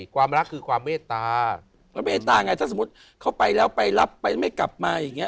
ความรักคือความเมตตาความเมตตาไงถ้าสมมุติเขาไปแล้วไปรับไปไม่กลับมาอย่างนี้